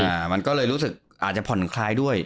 อ่ามันก็เลยรู้สึกอาจจะผ่อนคลายด้วย